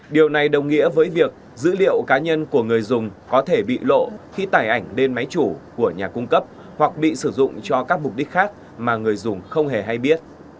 điều này đồng nghĩa với việc dữ liệu cá nhân của người dùng có thể bị lộ khi tải ảnh lên máy chủ của nhà cung cấp hoặc bị sử dụng cho các mục đích khác mà người dùng không hề hay biết